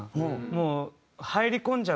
もう入り込んじゃうと